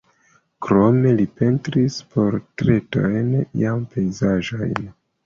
Krome li pentris portretojn kaj pejzaĝojn.